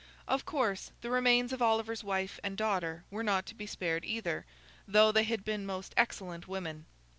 Of course, the remains of Oliver's wife and daughter were not to be spared either, though they had been most excellent women.